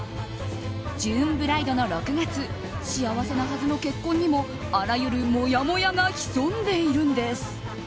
ジューンブライドの６月幸せなはずの結婚にもあらゆるもやもやが潜んでいるんです。